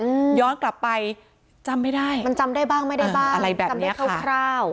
อืมย้อนกลับไปจำไม่ได้มันจำได้บ้างไม่ได้บ้างอะไรบ้างจำได้คร่าวคร่าว